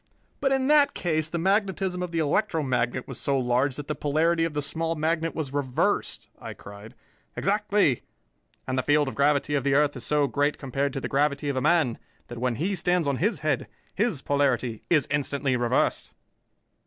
"But in that case the magnetism of the electromagnet was so large that the polarity of the small magnet was reversed!" I cried. "Exactly, and the field of gravity of the earth is so great compared to the gravity of a man that when he stands on his head, his polarity is instantly reversed."